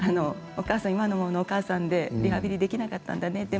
お母さんは今のままのお母さんでリハビリできなかったんだね